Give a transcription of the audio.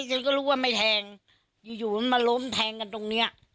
ฉันก็รู้ว่าไม่แทงอยู่อยู่มันมาล้มแทงกันตรงเนี้ย